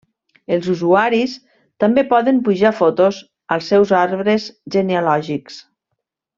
Els usuaris també poden pujar fotos als seus arbres genealògics.